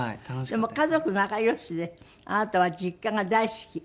でも家族仲良しであなたは実家が大好き？